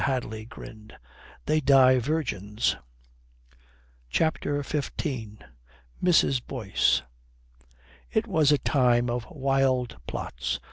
Hadley grinned. "They die virgins." CHAPTER XV MRS. BOYCE It was a time of wild plots.